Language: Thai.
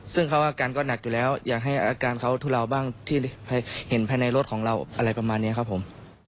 ซึ่งเขาอาการก็หนักอยู่แล้วอยากให้อาการเขาทุเลาบ้างที่เห็นภายในรถของเราอะไรประมาณนี้ครับผม